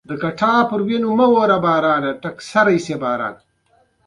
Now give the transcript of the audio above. هغه د هندوستان د دوه میلیونه وګړو اذهانو ته لېږد ورکړ